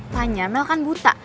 fanya mel kan buta